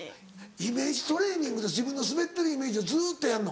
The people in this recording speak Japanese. イメージトレーニングって自分の滑ってるイメージをずっとやんの？